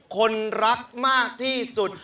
คนรักมากที่สุด